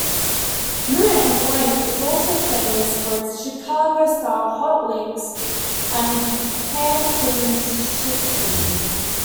Moo and Oink is also famous for its Chicago-style hot links and hand-cleaned chitlins.